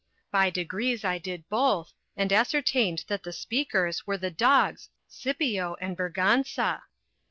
By degrees I did both, and ascertained that the speakers were the dogs Scipio and Berganza.